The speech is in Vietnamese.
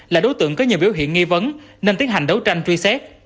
là đối tượng có nhiều biểu hiện nghi vấn nên tiến hành đấu tranh truy xét